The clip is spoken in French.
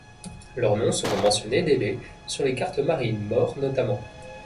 Leurs noms seront mentionnés dès les sur les cartes marines maures notamment.